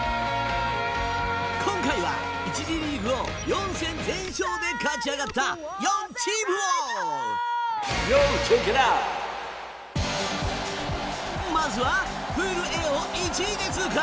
今回は１次リーグを４戦全勝で勝ち上がった４チームをまずは、プールＡを１位で通過。